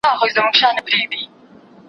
وايه څرنگه پرته وي پړسېدلې